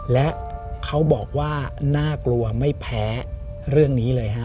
และเขาบอกว่าน่ากลัวไม่แพ้เรื่องนี้เลยฮะ